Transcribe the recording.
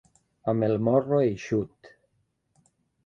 Amb el morro eixut.